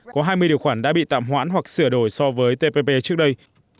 có hai mươi điều khoản đã bị tạm hoãn hoặc sửa đổi so với tpp trước đây